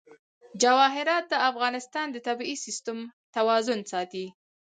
جواهرات د افغانستان د طبعي سیسټم توازن ساتي.